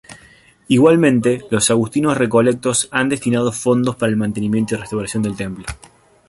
Igualmente, los Agustinos Recoletos han destinado fondos para el mantenimiento y restauración del templo.